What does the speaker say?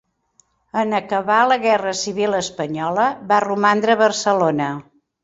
En acabar la guerra civil espanyola va romandre a Barcelona.